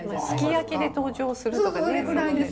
すき焼きで登場するとかね。